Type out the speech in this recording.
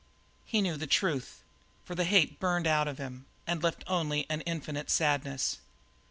He knew the truth, for the hate burned out in him and left only an infinite sadness.